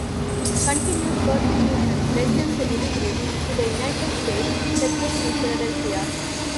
Continued persecution led him to emigrate to the United States, settling in Philadelphia.